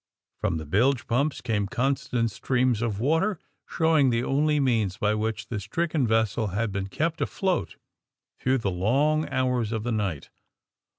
From the bilge pumps came constant streams of water, showing the only means by which the stricken vessel had been kept afloat through the long hours of the night.